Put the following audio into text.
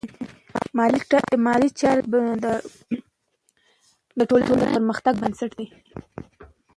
مالي چارې د ټولنې د پرمختګ بنسټ دی.